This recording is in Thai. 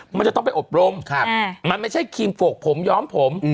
มันจะต้องไปอบรมมันไม่ใช่ครีมโฟกผมย้อมผม